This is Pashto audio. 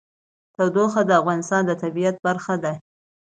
تودوخه د افغانستان د طبیعت برخه ده.